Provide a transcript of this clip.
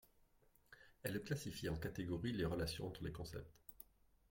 Elle classifie en catégories les relations entre les concepts.